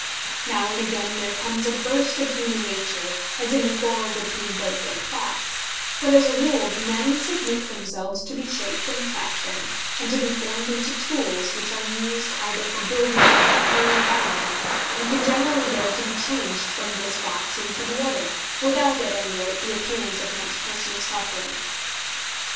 Now and again there comes a burst of human nature, as in the quarrel between Burke and Fox; but, as a rule, the men submit themselves to be shaped and fashioned, and to be formed into tools, which are used either for building up or pulling down, and can generally bear to be changed from this box into the other, without, at any rate, the appearance of much personal suffering.